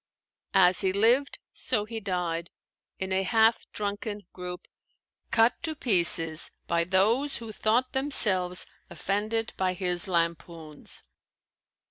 As he lived, so he died, in a half drunken group, cut to pieces by those who thought themselves offended by his lampoons.